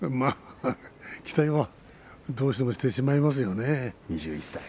期待はどうしてもしてしまいますね。